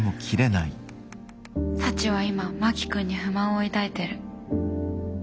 サチは今真木君に不満を抱いてる。